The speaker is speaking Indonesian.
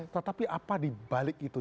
tetapi apa dibalik itu